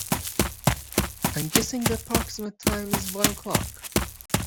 I'm guessing the approximate time is one o'clock.